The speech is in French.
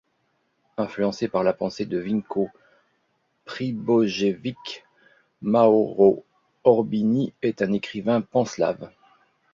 Influencé par la pensée de Vinko Pribojević, Mauro Orbini est un écrivain panslave.